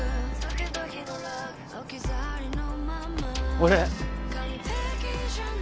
俺。